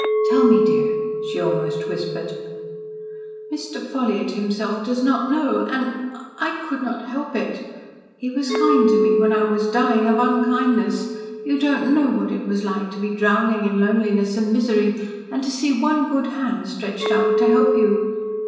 "Tell me, dear," she almost whispered. "Mr. Ffolliott himself does not know and I could not help it. He was kind to me when I was dying of unkindness. You don't know what it was like to be drowning in loneliness and misery, and to see one good hand stretched out to help you.